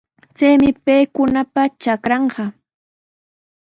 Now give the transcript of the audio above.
Chaymi paykunapa trakranqa.